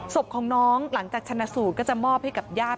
ศพของน้องหลังจากชนะสูตรก็จะมอบให้กับญาติ